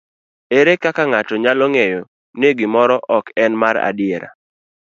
Ere kaka ng'ato nyalo ng'eyo ni gimoro ok en mar adier?